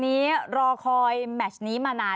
มีความรู้สึกว่า